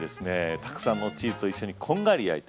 たくさんのチーズと一緒にこんがり焼いて。